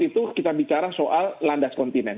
itu kita bicara soal landas kontinen